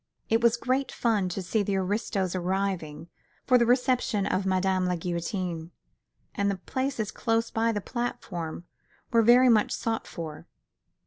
It was great fun to see the aristos arriving for the reception of Madame la Guillotine, and the places close by the platform were very much sought after.